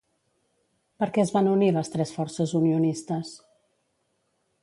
Per què es van unir les tres forces unionistes?